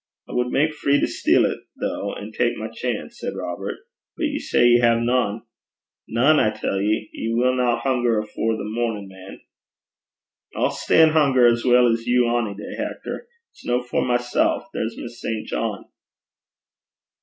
'I wad mak free to steal 't, though, an' tak my chance,' said Robert. 'But ye say ye hae nane?' 'Nane, I tell ye. Ye winna hunger afore the mornin', man.' 'I'll stan' hunger as weel 's you ony day, Hector. It's no for mysel'. There's Miss St. John.'